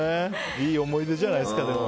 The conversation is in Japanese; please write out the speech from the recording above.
いい思い出じゃないですか。